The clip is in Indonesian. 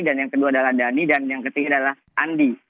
dan yang kedua adalah dani dan yang ketiga adalah andi